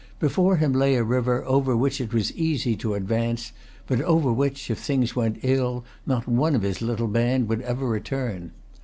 Before him lay a river over which it was easy to advance, but over which, if things went ill, not one of his little band would ever return.